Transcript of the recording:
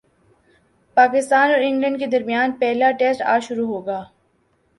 پاکستان اور انگلینڈ کے درمیان پہلا ٹیسٹ اج شروع ہوگا